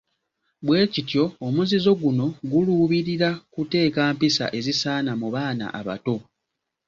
Bwe kityo omuzizo guno guluubirira kuteeka mpisa ezisaana mu baana abato.